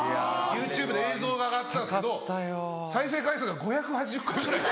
ＹｏｕＴｕｂｅで映像が上がってたんですけど再生回数が５８０回ぐらい。